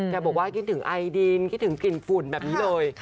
บอกว่าคิดถึงไอดินคิดถึงกลิ่นฝุ่นแบบนี้เลย